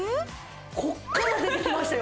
こっから出てきましたよ